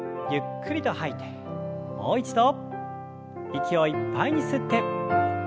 息をいっぱいに吸って。